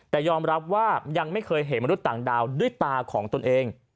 แต่ยอมรับว่ายังไม่เคยเห็นมนุษย์ต่างดาวด้วยตาของตนเอง